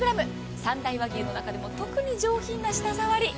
三大和牛の中でも特に上品な舌触り。